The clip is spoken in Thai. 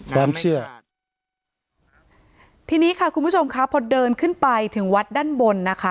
ความเชื่อทีนี้ค่ะคุณผู้ชมค่ะพอเดินขึ้นไปถึงวัดด้านบนนะคะ